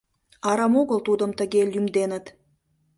Арам огыл тудым тыге лӱмденыт.